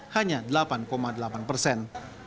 hanya delapan delapan persen